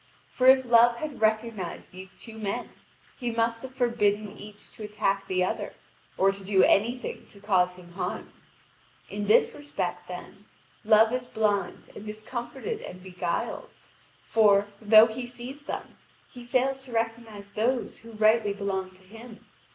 For if Love had recognised these two men, he must have forbidden each to attack the other, or to do any thing to cause him harm. In this respect, then, Love is blind and discomfited and beguiled; for, though he sees them, he fails to recognise those who rightly belong to him.